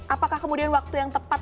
apakah kemudian waktu yang tepat